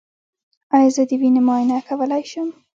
ایا زه د وینې معاینه کولی شم؟